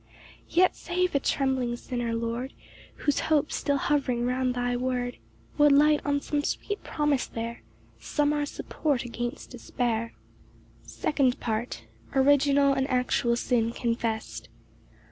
6 Yet save a trembling sinner, Lord, Whose hope, still hovering round thy word, Would light on some sweet promise there, Some sure support against despair. Psalms 51:2. Second Part. L. M. Original and actual sin confessed.